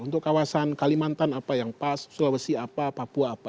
untuk kawasan kalimantan apa yang pas sulawesi apa papua apa